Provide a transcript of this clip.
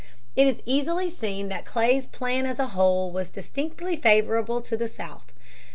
It is easily seen that Clay's plan as a whole was distinctly favorable to the South.